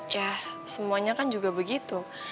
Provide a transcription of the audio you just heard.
ya semuanya kan juga begitu